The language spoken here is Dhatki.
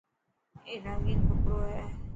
اي رنگين ڪپڙو هي.